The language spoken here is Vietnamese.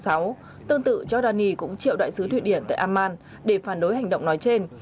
tương tự giordani cũng triệu đại sứ thụy điển tại amman để phản đối hành động nói trên